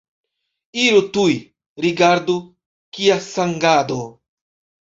Iru tuj, rigardu, kia sangado!